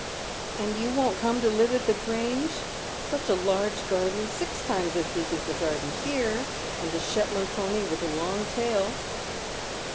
" And you won't come to live at the Grange ? Such a large garden, six times as big as the garden here, and a Shetland pony with a long tail.''